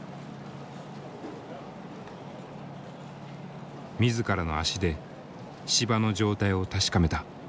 自らの足で芝の状態を確かめた。